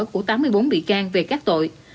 của tám mươi bốn bị can về các tội